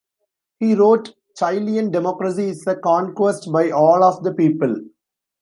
He wrote, Chilean democracy is a conquest by all of the people.